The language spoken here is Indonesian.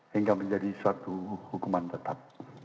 hingga menjadi suatu hukuman tetap